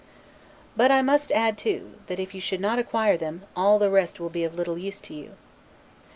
But I must add, too, that if you should not acquire them, all the rest will be of little use to you.